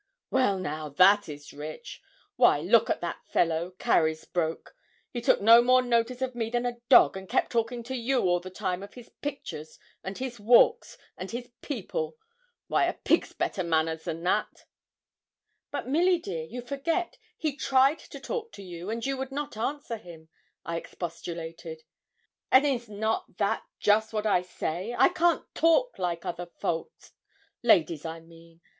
'Well, now, that is rich! Why, look at that fellow, Carysbroke: he took no more notice to me than a dog, and kep' talking to you all the time of his pictures, and his walks, and his people. Why, a pig's better manners than that.' 'But, Milly dear, you forget, he tried to talk to you, and you would not answer him,' I expostulated. 'And is not that just what I say I can't talk like other folk ladies, I mean.